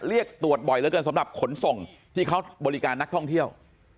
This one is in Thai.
เรียกตรวจบ่อยเหลือเกินสำหรับขนส่งที่เขาบริการนักท่องเที่ยว